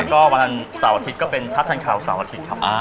ก็วันเสาร์อาทิตย์ก็เป็นชัดทันข่าวเสาร์อาทิตย์ครับ